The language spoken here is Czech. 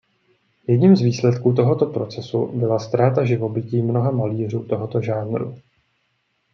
Jedním z výsledků tohoto procesu byla ztráta živobytí mnoha malířů tohoto žánru.